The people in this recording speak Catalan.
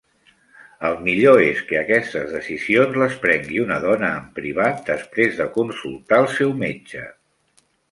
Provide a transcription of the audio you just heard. El millor és que aquestes decisions les prengui una dona en privat, després de consultar al seu metge.